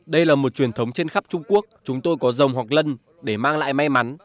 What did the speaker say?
đây là một truyền thống trên khắp trung quốc chúng tôi có rồng hoặc lân để mang lại may mắn